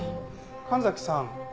神崎さん。